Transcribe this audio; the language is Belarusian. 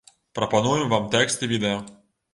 Прапануем вам тэкст і відэа.